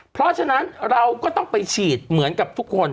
เพราะฉะนั้นเราก็ต้องไปฉีดเหมือนกับทุกคน